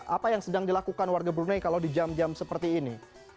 apa yang sedang dilakukan warga brunei kalau di jam jam seperti ini